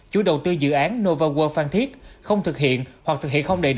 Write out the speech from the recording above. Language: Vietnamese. chủ đầu tư dự án nova world phan thiết không thực hiện hoặc thực hiện không đại truyền